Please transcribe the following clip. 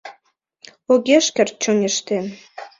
Огеш керт чоҥештен